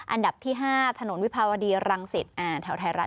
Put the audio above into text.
อันดับที่๕ถนนวิภาวดีรังสิตแถวไทยรัฐ